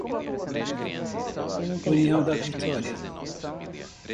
União da Vitória